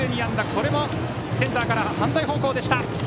これもセンターから反対方向でした。